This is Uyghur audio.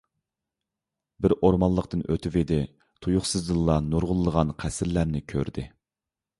بىر ئورمانلىقتىن ئۆتۈۋىدى، تۇيۇقسىزدىنلا نۇرغۇنلىغان قەسىرلەرنى كۆردى.